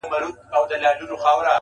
که ژوند راکوې_